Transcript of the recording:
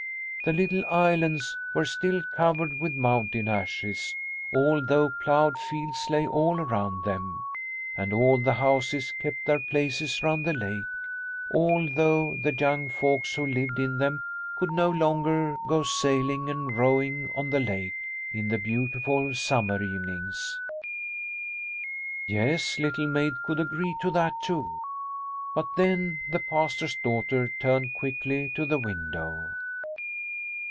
The little islands were still covered with mountain ashes, although ploughed fields lay all around them, and all the houses kept their places round the lake, although the young folks who lived in them could no longer go sailing and rowing on the lake in the beautiful summer evenings." Yes, Little Maid could agree to that too. But then the Pastor's daughter turned quickly to the window.